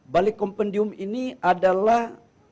balik kompendium ini adalah